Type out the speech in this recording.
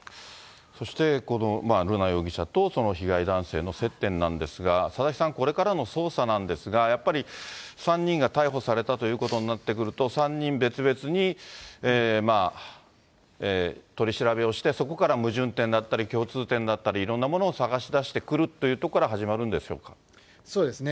そして瑠奈容疑者とその被害男性の接点なんですが、佐々木さん、これからの捜査なんですが、やっぱり３人が逮捕されたということになってくると、３人別々に取り調べをして、そこから矛盾点だったり共通点だったり、いろんなものを捜し出してくるというところから、始まるんでしょそうですね。